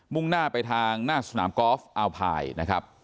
่งหน้าไปทางหน้าสนามกอล์ฟอัลพายนะครับ